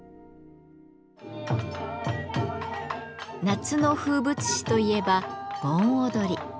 夏の風物詩といえば盆踊り。